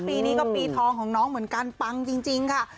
ปีนี้ก็ปีทองของน้องเหมือนกันปังจริงค่ะ